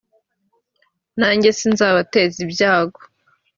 nanjye sinzabateza ibyago